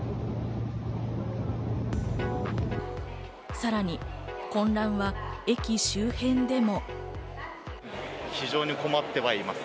さらに混乱は駅周辺でも。